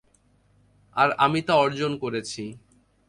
আর আমি তা অর্জন করেছি।